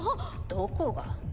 どこが？